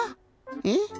えっ？